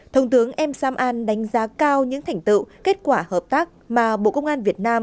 thông tướng emsam an đánh giá cao những thành tựu kết quả hợp tác mà bộ công an việt nam